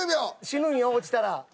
死ぬんよ落ちたら。